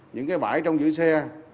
những bãi trong giữ xe